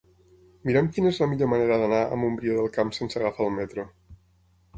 Mira'm quina és la millor manera d'anar a Montbrió del Camp sense agafar el metro.